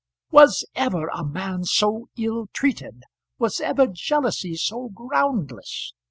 Was ever a man so ill treated? Was ever jealousy so groundless?